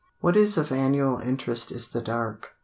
What is of annual interest is the dark.